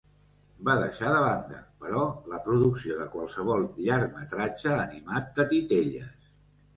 Va deixar de banda, però, la producció de qualsevol llargmetratge animat de titelles.